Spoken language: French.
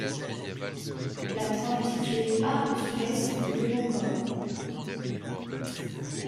Latrobe est située à au sud-est de Devonport.